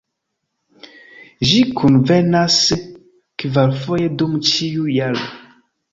Ĝi kunvenas kvarfoje dum ĉiu jaro.